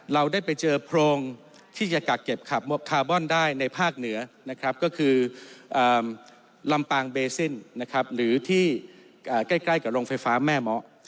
เราได้ไปเจอโพรงที่จะกักเก็บขับคาร์บอนได้ในภาคเหนือนะครับก็คือลำปางเบซินนะครับหรือที่ใกล้กับโรงไฟฟ้าแม่เมาะ